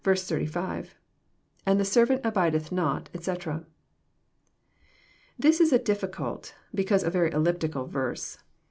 — [And the servant abideth not, etc.'] This is a difficult, because a very elliptical verse.